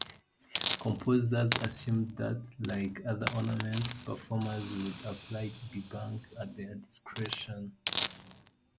Composers assumed that, like other ornaments, performers would apply "bebung" at their discretion.